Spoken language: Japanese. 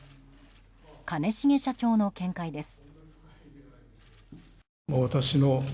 兼重社長の見解です。